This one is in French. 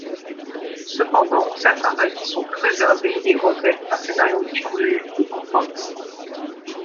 Cependant certains avis sont plus réservés et regrettent un scénario décousu et conformiste.